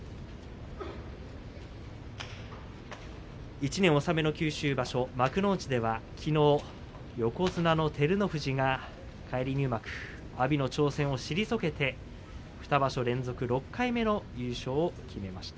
１年納めの九州場所幕内ではきのう横綱の照ノ富士が返り入幕阿炎の挑戦を退けて２場所連続６回目の優勝を決めました。